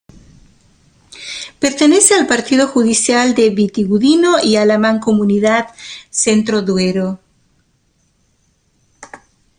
Pertenece al partido judicial de Vitigudino y a la Mancomunidad Centro Duero.